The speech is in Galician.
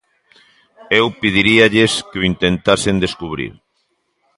Eu pediríalles que o intentasen descubrir.